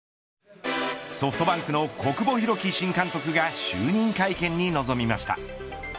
ソフトバンクの小久保裕紀新監督が就任会見に臨みました。